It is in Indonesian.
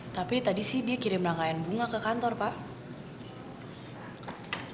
tapi tadi sih dia kirim rangkaian bunga ke kantor pak